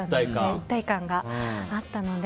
一体感があったので。